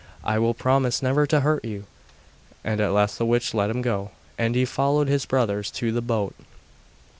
I will promise never to hurt you.' And at last the witch let him go, and he followed his brothers to the boat.